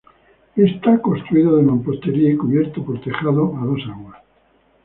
Está construido de mampostería y cubierto por tejado a dos aguas.